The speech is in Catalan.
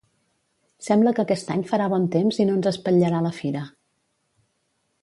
Sembla que aquest any farà bon temps i no ens espatllarà la fira